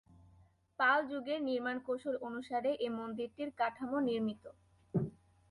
পাল যুগের নির্মাণ কৌশল অনুসারে এ মন্দিরটির কাঠামো নির্মিত।